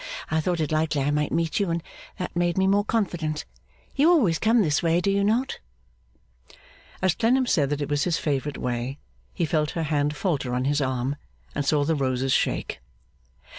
I thought it likely I might meet you, and that made me more confident. You always come this way, do you not?' As Clennam said that it was his favourite way, he felt her hand falter on his arm, and saw the roses shake.